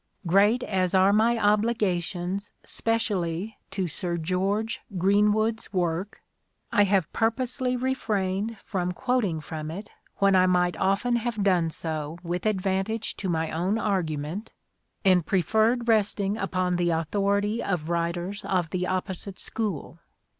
Great as are my obligations specially to Sir George Greenwood's work, I have purposely refrained from 20 INTRODUCTION quoting from it when I might often have done so with advantage to my own argument, and preferred resting upon the authority of writers of the opposite school.